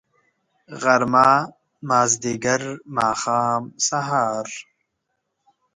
غرمه . مازدیګر . ماښام .. سهار